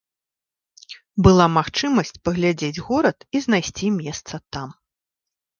Была магчымасць паглядзець горад і знайсці месца там.